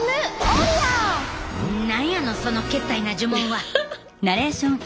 何やのそのけったいな呪文は。